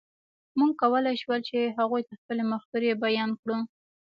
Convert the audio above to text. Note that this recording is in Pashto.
موږ کولی شول، چې هغوی ته خپلې مفکورې بیان کړو.